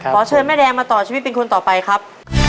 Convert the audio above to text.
ขอเชิญแม่แดงมาต่อชีวิตเป็นคนต่อไปครับ